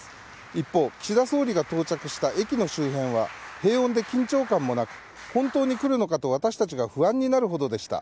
一方、岸田総理が到着した駅の周辺は平穏で緊張感もなく本当に来るのかと私たちが不安になるほどでした。